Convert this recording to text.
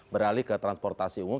beralih ke transportasi umum